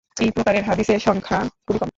এই প্রকারের হাদীসের সংখ্যা খুবই কম।